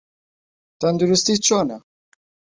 تەندروستیت چۆنە؟